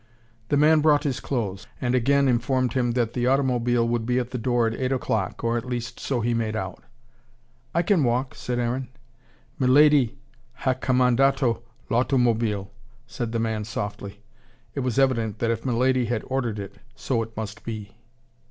The man brought his clothes, and again informed him that the automobile would be at the door at eight o'clock: or at least so he made out. "I can walk," said Aaron. "Milady ha comandato l'automobile," said the man softly. It was evident that if Milady had ordered it, so it must be.